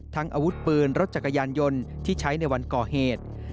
อาวุธปืนรถจักรยานยนต์ที่ใช้ในวันก่อเหตุ